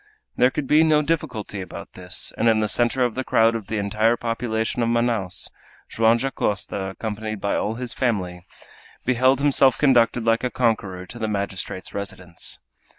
There could be no difficulty about this, and in the center of the crowd of the entire population of Manaos, Joam Dacosta, accompanied by all his family, beheld himself conducted like a conquerer to the magistrate's residence.